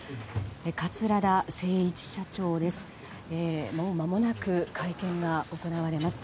桂田精一社長です。